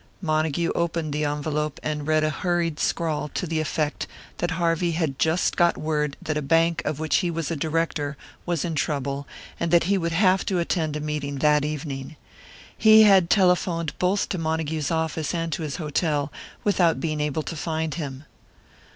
Montague opened the envelope, and read a hurried scrawl to the effect that Harvey had just got word that a bank of which he was a director was in trouble, and that he would have to attend a meeting that evening. He had telephoned both to Montague's office and to his hotel, without being able to find him.